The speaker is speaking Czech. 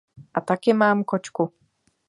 A taky mám kočku.